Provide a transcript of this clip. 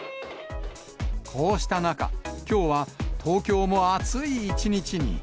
こうした中、きょうは東京も暑い一日に。